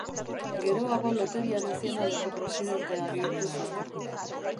Geroago loteria nazionaleko presidentea bihurtu zen.